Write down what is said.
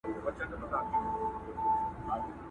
چي مي لاستی له خپل ځانه دی نړېږم!!